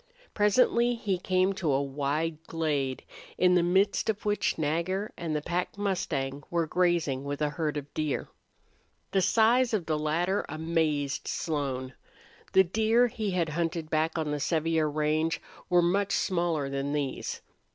Presently he came to a wide glade in the midst of which Nagger and the pack mustang were grazing with a herd of deer. The size of the latter amazed Slone. The deer he had hunted back on the Sevier range were much smaller than these.